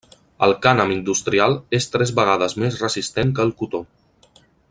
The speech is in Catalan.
El cànem industrial és tres vegades més resistent que el cotó.